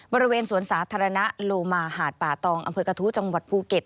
บริเวณสวนสาธารณะโลมาหาดป่าตองอำเภอกระทู้จังหวัดภูเก็ต